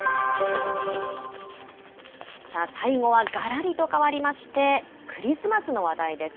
最後はがらりと変わりまして、クリスマスの話題です。